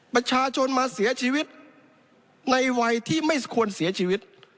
ประชาชนมาเสียชีวิตในวัยที่ไม่ควรเสียชีวิต